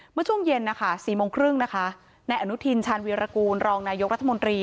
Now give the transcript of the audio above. เมื่อช่วงเย็นนะคะ๔โมงครึ่งนะคะนายอนุทินชาญวีรกูลรองนายกรัฐมนตรี